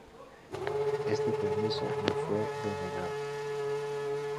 Este permiso me fue denegado.